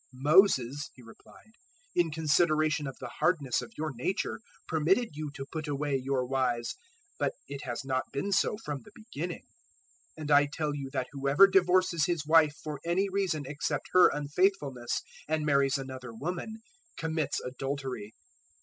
019:008 "Moses," He replied, "in consideration of the hardness of your nature permitted you to put away your wives, but it has not been so from the beginning. 019:009 And I tell you that whoever divorces his wife for any reason except her unfaithfulness, and marries another woman, commits adultery."